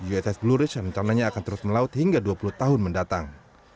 uss blue risk rencananya akan terus melaut hingga dua puluh tahun mendatang